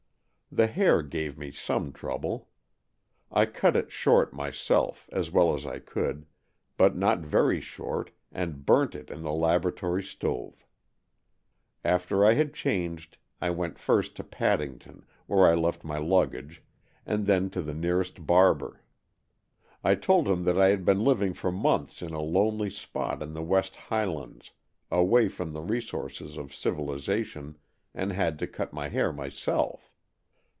The hair gave me some trouble. I cut it short myself, as well as I could, but not very short, and burnt it in the laboratory stove. After I had changed, I went first to Paddington, where I left my luggage, and AN EXCHANGE OF SOULS 203 then to the nearest barber. I told him that I had been living for months in a lonely spot in the West Highlands, away from the resources of civilization, and had to cut my hair myself.